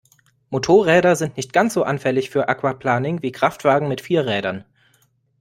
Motorräder sind nicht ganz so anfällig für Aquaplaning wie Kraftwagen mit vier Rädern.